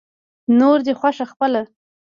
نوره دې خوښه خپله.